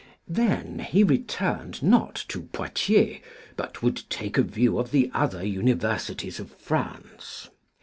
Then he returned not to Poictiers, but would take a view of the other universities of France.